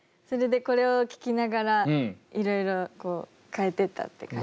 それでこれを聴きながらいろいろこう変えてったって。